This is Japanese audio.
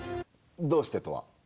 「どうして？」とは？